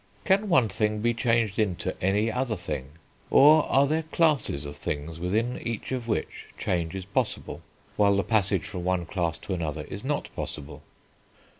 Can one thing be changed into any other thing; or, are there classes of things within each of which change is possible, while the passage from one class to another is not possible?